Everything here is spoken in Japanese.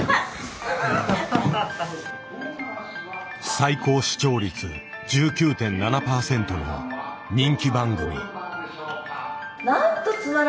最高視聴率１９．７％の人気番組。